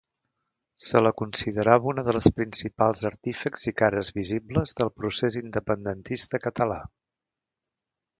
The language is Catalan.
Se la considerava una de les principals artífexs i cares visibles del procés independentista català.